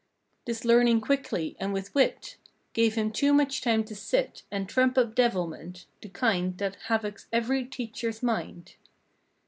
This learning quickly and with wit Gave him too much time to sit And trump up devilment. The kind That havocs every teachers mind.